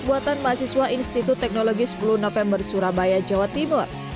buatan mahasiswa institut teknologi sepuluh november surabaya jawa timur